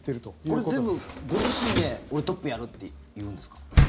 これ全部ご自身で俺トップやるって言うんですか？